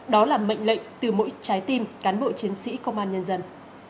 đó là mệnh lệnh từ mỗi trái tim cán bộ chiến sĩ công an nhân dân